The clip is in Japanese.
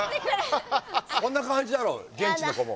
そんなかんじやろ現地の子も。